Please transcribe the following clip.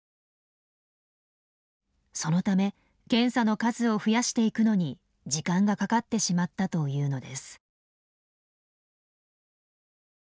そのため検査の数を増やしていくのに時間がかかってしまったというのです。